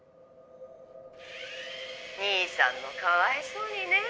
「兄さんもかわいそうにねえ」